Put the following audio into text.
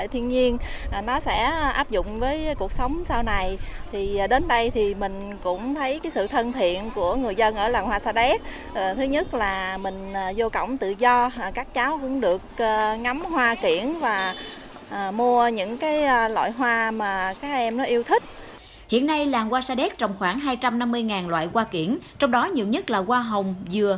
hiện nay làng hoa sa đéc trồng khoảng hai trăm năm mươi loại hoa kiển trong đó nhiều nhất là hoa hồng dừa